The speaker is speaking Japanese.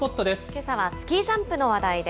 けさはスキージャンプの話題です。